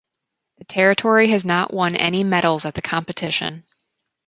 The territory has not won any medals at the competition.